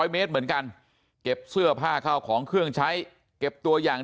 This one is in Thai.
๐เมตรเหมือนกันเก็บเสื้อผ้าเข้าของเครื่องใช้เก็บตัวอย่าง